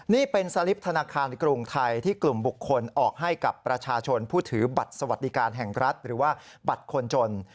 นี่เป็นสลิปธนาคารกรุงไทยที่กลุ่มบุคคลออกให้กับประชาชนผู้ถือบัตรสวัสดิการแห่งรัฐหรือว่าบัตรคนจน